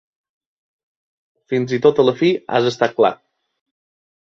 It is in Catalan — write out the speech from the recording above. Fins i tot a la fi has estat clar.